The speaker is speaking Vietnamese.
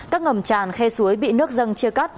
các ngầm tràn khe suối bị nước dâng chia cắt